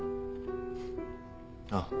ああ。